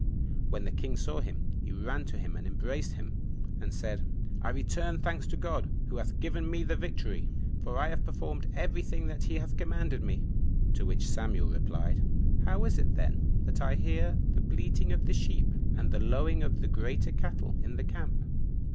When the king saw him, he ran to him, and embraced him, and said, "I return thanks to God, who hath given me the victory, for I have performed every thing that he hath commanded me." To which Samuel replied, "How is it then that I hear the bleating of the sheep and the lowing of the greater cattle in the camp?"